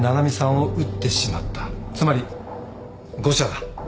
つまり誤射だ。